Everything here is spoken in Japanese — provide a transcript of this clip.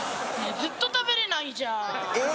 ずっと食べれないじゃんええー